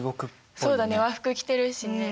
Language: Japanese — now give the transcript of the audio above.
そうだね和服着てるしね。